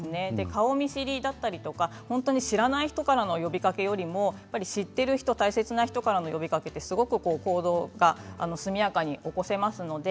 顔見知りだったり知らない人からの呼びかけよりも知っている人、大切な人からの呼びかけは行動が速やかに起こせます。